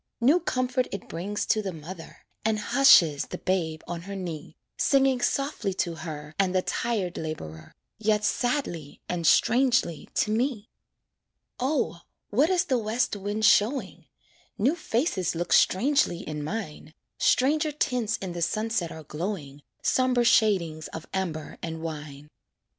New comfort it brings to the mother, And hushes the babe on her knee, Singing softly to her And the tired laborer, Yet sadly and strangely to me. O! what is the west wind showing? New faces look strangely in mine, Stranger tints in the sunset are glowing, Somber shadings of amber and wine.